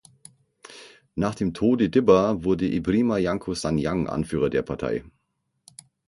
Nach dem Tode Dibba wurde Ebrima Janko Sanyang Anführer der Partei.